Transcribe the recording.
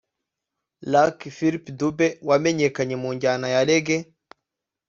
Lucky Philip Dube wamenyekanye mu njyana ya Reggae